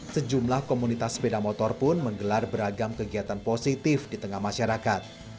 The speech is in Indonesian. sejumlah komunitas sepeda motor pun menggelar beragam kegiatan positif di tengah masyarakat